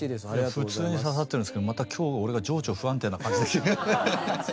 普通に刺さってるんですけどまた今日俺が情緒不安定な感じで。